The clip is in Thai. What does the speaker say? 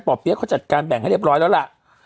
เปี๊ยกเขาจัดการแบ่งให้เรียบร้อยแล้วล่ะ